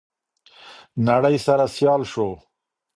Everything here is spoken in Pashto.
نړۍ سره سيال شو.